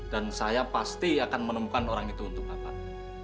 dan saya pasti akan menemukan orang itu untuk bapak